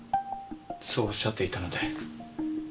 そうおっしゃっていたので。